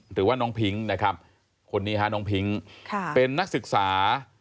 หรือว่าน้องพิ้งนะครับคนนี้ฮะน้องพิ้งเป็นนักศึกษา